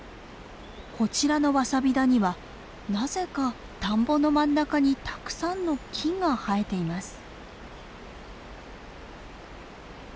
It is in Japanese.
こちらのワサビ田にはなぜか田んぼの真ん中にたくさんの木が生えています。